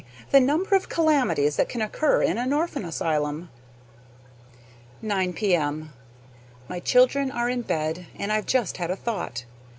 the number of calamities that can occur in an orphan asylum! 9 P.M. My children are in bed, and I've just had a thought.